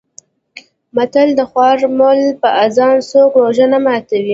متل: د خوار ملا په اذان څوک روژه نه ماتوي.